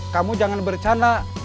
kamu jangan bercanda